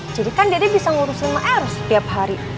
jadi kan dede bisa ngurusin ma eros tiap hari